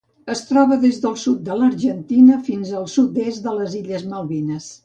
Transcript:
Es troba des del sud de l'Argentina fins al sud-est de les illes Malvines.